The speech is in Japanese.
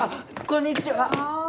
こんにちは。